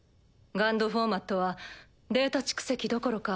フォーマットはデータ蓄積どころか